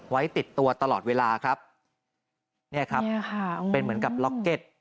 ไว้ติดตัวตลอดเวลาครับเนี่ยครับเป็นเหมือนกับล็อกเก็ต